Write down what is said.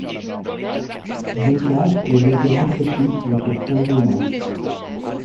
Déjà mes baisers rafraîchissent votre front brûlant.